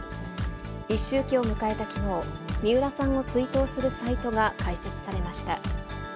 一周忌を迎えたきのう、三浦さんを追悼するサイトが開設されました。